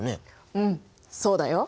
うんそうだよ。